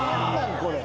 これ。